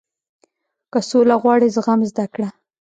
• که سوله غواړې، زغم زده کړه.